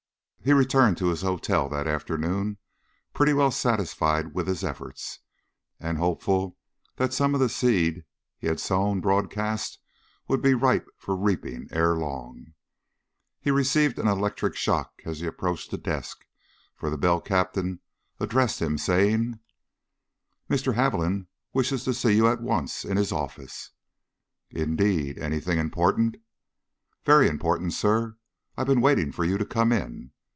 He returned to his hotel that afternoon pretty well satisfied with his efforts and hopeful that some of the seed he had sown broadcast would be ripe for the reaping ere long. But he received an electric shock as he approached the desk, for the bell captain addressed him, saying: "Mr. Haviland wishes to see you at once, in his office." "Indeed? Anything important?" "Very important, sir. I've been waiting for you to come in."